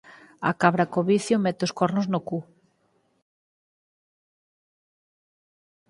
A cabra co vicio mete os cornos no cu